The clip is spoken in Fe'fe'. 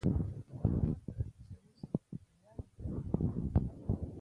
Lʉαʼ mά tαʼ ntīē wúzᾱ mα yáá ghʉ̌ lěn nᾱʼpē.